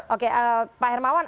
oke pak hermawan